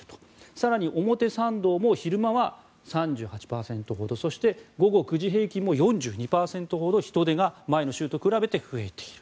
更に、表参道も昼間は３８％ほどそして午後９時平均も４２％ほど人出が前の週と比べて増えている。